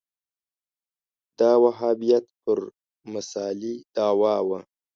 دا وهابیت پر مسألې دعوا وه